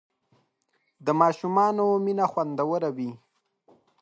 د ماشومانو مینه خوندور وي.